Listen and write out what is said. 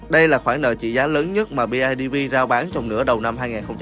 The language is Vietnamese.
đây là khoản nợ trị giá lớn nhất mà bidv giao bán trong nửa đầu năm hai nghìn hai mươi bốn